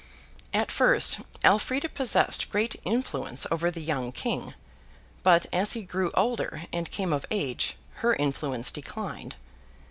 At first, Elfrida possessed great influence over the young King, but, as he grew older and came of age, her influence declined.